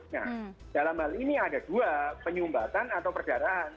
nah dalam hal ini ada dua penyumbatan atau perdarahan